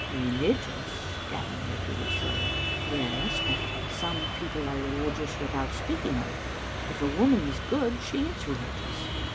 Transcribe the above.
"Religious," Gavin repeated slowly. "Yes, but some people are religious without speaking of it. If a woman is good she is religious.